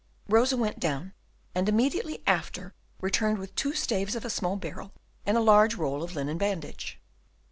Rosa went down, and immediately after returned with two staves of a small barrel and a large roll of linen bandage.